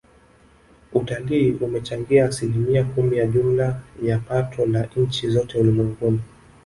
Utalii umechangia asilimia kumi ya jumla ya pato la nchi zote ulimwenguni